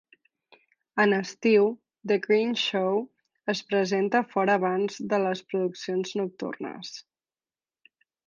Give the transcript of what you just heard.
En estiu, "The Greenshow" es presenta fora abans de les produccions nocturnes.